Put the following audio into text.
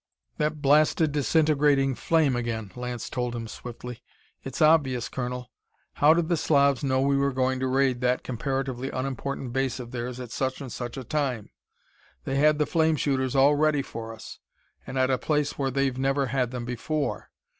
"That blasted disintegrating flame again," Lance told him swiftly. "It's obvious, Colonel: how did the Slavs know we were going to raid that comparatively unimportant base of theirs at such and such a time? They had the flame shooters all ready for us and at a place where they've never had them before!